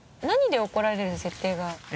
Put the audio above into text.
何で怒られる設定が？